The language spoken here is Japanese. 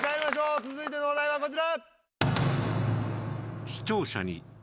続いてのお題はこちら。